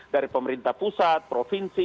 dari pemerintah pusat provinsi